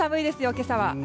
今朝は。